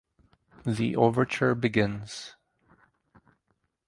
The overture begins.